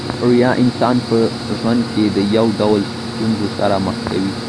ریاء انسان په ژوند کښي د يو ډول ستونزو سره مخ کوي.